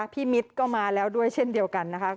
มิตรก็มาแล้วด้วยเช่นเดียวกันนะคะ